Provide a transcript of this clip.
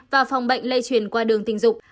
và phòng bệnh lây truyền qua đường tình dục